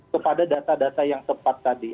kepada data data yang tepat tadi